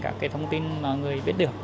các cái thông tin mà người biết được